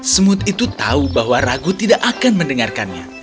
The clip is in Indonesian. semut itu tahu bahwa ragu tidak akan mendengarkannya